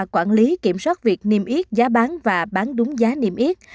quản lý kiểm soát việc niêm yết giá bán và bán đúng giá niêm yết